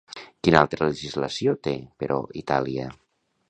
Quina altra legislació té, però, Itàlia?